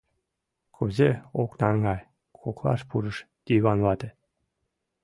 Кузе ок наҥгай, — коклаш пурыш Йыван вате.